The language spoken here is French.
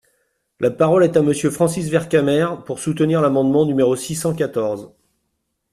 La parole est à Monsieur Francis Vercamer, pour soutenir l’amendement numéro six cent quatorze.